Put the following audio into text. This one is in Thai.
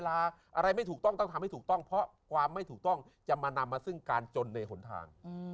อะไรไม่ถูกต้องต้องทำให้ถูกต้องเพราะความไม่ถูกต้องจะมานำมาซึ่งการจนในหนทาง